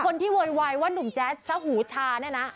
คนที่โวยวายว่านุ่มแจ๊สซะหูชาน่ะนะ